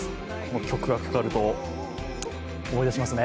曲がかかると、思い出しますね。